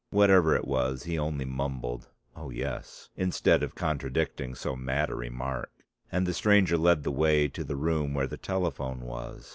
Whatever it was he only mumbled, "O yes," instead of contradicting so mad a remark. And the stranger led the way to the room where the telephone was.